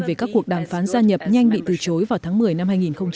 về các cuộc đàm phán gia nhập nhanh bị từ chối vào tháng một mươi năm hai nghìn một mươi chín